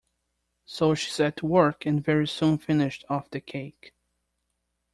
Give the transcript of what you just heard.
So she set to work, and very soon finished off the cake.